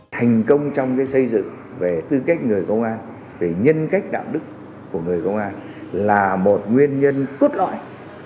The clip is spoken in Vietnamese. thành công trong xây dựng về tư cách người công an về nhân cách đạo đức của người công an là một nguyên nhân cốt lõi